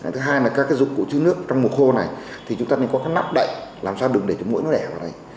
thứ hai là các dụng cụ chứa nước trong mùa khô này thì chúng ta nên có các nắp đậy làm sao đừng để mũi nó đẻ vào đây